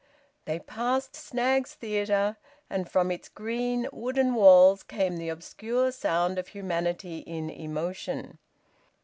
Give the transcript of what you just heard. They passed Snaggs' Theatre, and from its green, wooden walls came the obscure sound of humanity in emotion.